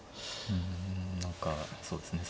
うん何かそうですね